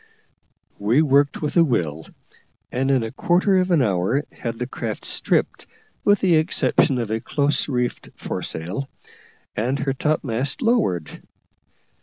We worked with a will, and in a quarter of an hour had the craft stripped, with the exception of a close reefed foresail, and her topmast lowered.